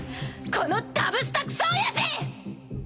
このダブスタクソおやじ！